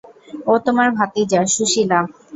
ও তোমার ভাতিজা, সুশীলা।